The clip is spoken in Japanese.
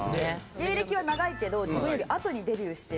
芸歴は長いけど自分よりあとにデビューしてる。